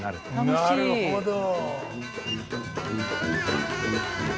なるほど。